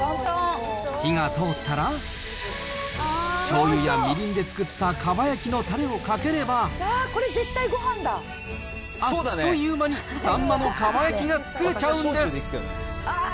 火が通ったら、しょうゆやみりんで作ったかば焼きのたれをかければ、あっという間にサンマのかば焼きが作れちゃうんです。